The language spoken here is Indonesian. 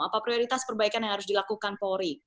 apa prioritas perbaikan yang harus dilakukan polri